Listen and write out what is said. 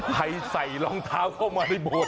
ใครใส่รองเท้าเข้ามาในบด